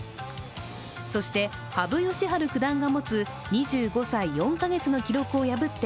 そして羽生善治九段が持つ２５歳４か月の記録を破って